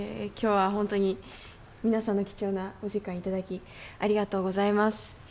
今日は本当に皆さんの貴重なお時間を頂きありがとうございます。